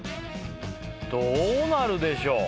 「どうなるでしょう？」